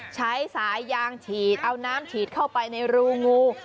ใช้สายยางฉีดเอาน้ำฉีดเข้าไปในรูงู